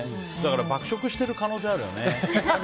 爆食している可能性あるよね。